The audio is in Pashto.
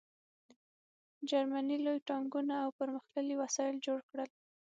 جرمني لوی ټانکونه او پرمختللي وسایل جوړ کړل